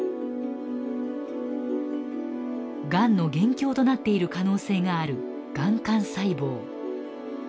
がんの元凶となっている可能性があるがん幹細胞。